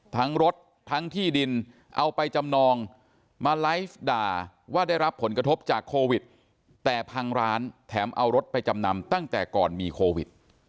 ทั้งรถทั้งที่ดินเอาไปจำนองมาไลฟ์ด่าว่าได้รับผลกระทบจากโควิดแต่พังร้านแถมเอารถไปจำนำตั้งแต่ก่อนมีโควิด